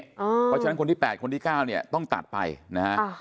เพราะฉะนั้นคนที่๘คนที่๙เนี่ยต้องตัดไปนะฮะ